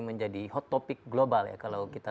menjadi hot topik global ya kalau kita